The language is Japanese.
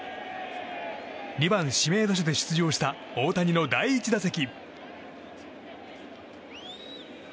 ２番指名打者で出場した大谷の第１打席。